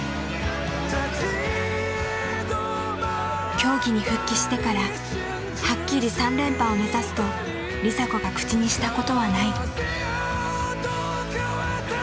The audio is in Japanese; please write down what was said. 競技に復帰してからはっきり３連覇を目指すと梨紗子が口にしたことはない。